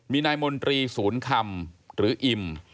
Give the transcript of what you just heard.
มีนายมนตรีศูนย์คำหรืออิ่ม